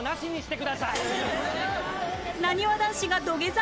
なにわ男子が土下座？